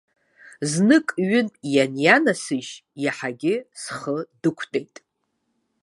Знык-ҩынтә ианианасыжь, иаҳагьы схы дықәтәеит.